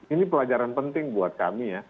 ini pelajaran penting buat kami ya